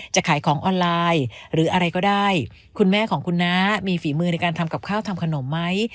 จะขายของออนไลน์หรืออะไรก็ได้คุณแม่ของคุณน้ามีฝีมือในการทำกับข้าวทำขนมไหม